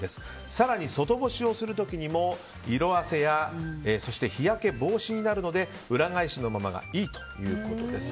更に外干しをする時にも色あせや日焼け防止になるので裏返しのままがいいということです。